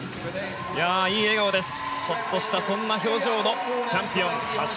いい笑顔です。